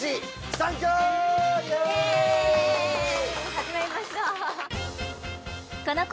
始まりました